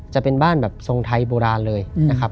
จะเป็นบ้านแบบทรงไทยโบราณเลยนะครับ